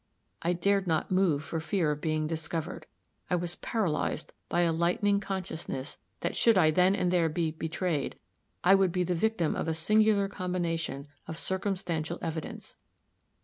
I dared not move for fear of being discovered. I was paralyzed by a lightning consciousness that should I then and there be betrayed, I would be the victim of a singular combination of circumstantial evidence.